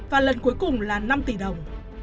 và lần cuối cùng là năm tỷ đồng